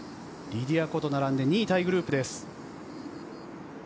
リディア・コと並んで、２位タイグループです。